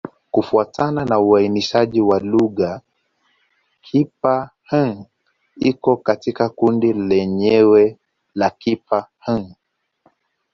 Kufuatana na uainishaji wa lugha, Kipa-Hng iko katika kundi lake lenyewe la Kipa-Hng.